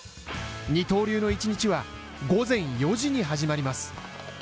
二刀流の一日は、午前４時に始まります。